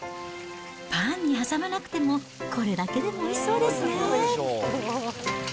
パンに挟まなくても、これだけでもおいしそうですね。